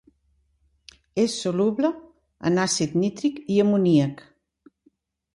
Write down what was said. És soluble en àcid nítric i amoníac.